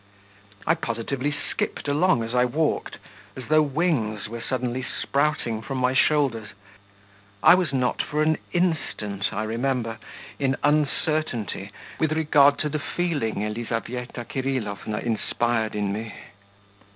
I positively skipped along as I walked, as though wings were suddenly sprouting from my shoulders. I was not for an instant, I remember, in uncertainty with regard to the feeling Elizaveta Kirillovna inspired in me.